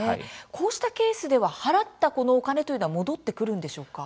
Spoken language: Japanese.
こうしたケースでは払ったこのお金というのは戻ってくるんでしょうか。